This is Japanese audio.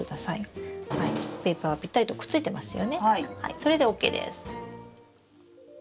それでＯＫです。